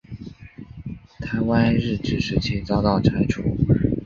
台湾日治时期遭到拆除。